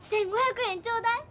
１，５００円頂戴。